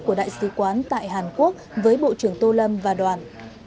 của đại sứ quán tại hàn quốc với bộ trưởng tô lâm và đoàn